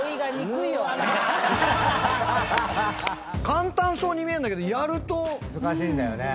簡単そうに見えんだけどやると難しいっすよね。